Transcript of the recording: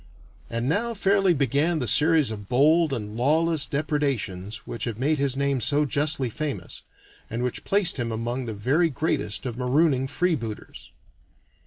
And now fairly began that series of bold and lawless depredations which have made his name so justly famous, and which placed him among the very greatest of marooning freebooters.